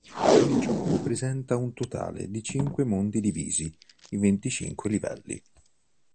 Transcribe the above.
Il gioco presenta un totale di cinque mondi divisi in venticinque livelli.